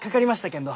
けんど